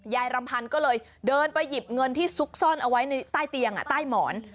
รำพันธ์ก็เลยเดินไปหยิบเงินที่ซุกซ่อนเอาไว้ในใต้เตียงใต้หมอน